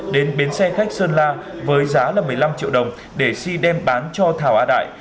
đến bến xe khách sơn la với giá là một mươi năm triệu đồng để si đem bán cho thảo a đại